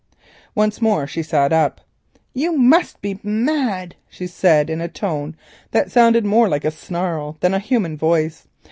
Once more she sat up. "You must be mad," she said in a tone that sounded more like a snarl than a human voice.